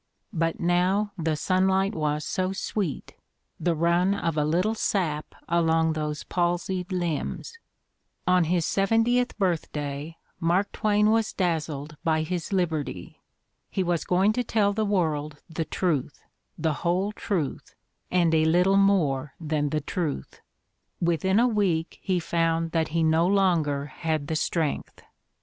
But now the sunlight was so sweet, the run of a little sap along those palsied limbs. On his seventieth birthday Mark Twain was dazzled by his liberty. He was going to tell the world the truth, the whole truth, and a little more than the truth! "Within a week he found that he no longer had the strength.